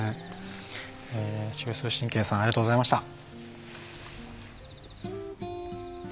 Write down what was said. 中枢神経さんありがとうございました。